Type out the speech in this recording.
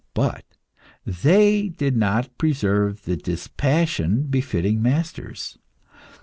But they did not preserve the dispassion befitting masters.